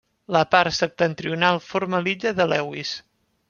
La part septentrional forma l'illa de Lewis.